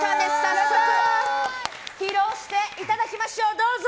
早速披露していただきましょう。